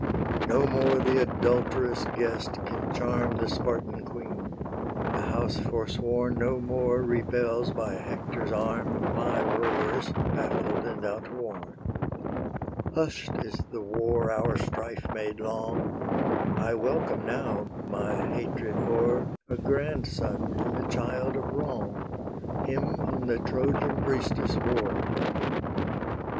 No more the adulterous guest can charm The Spartan queen: the house forsworn No more repels by Hector's arm My warriors, baffled and outworn: Hush'd is the war our strife made long: I welcome now, my hatred o'er, A grandson in the child of wrong, Him whom the Trojan priestess bore.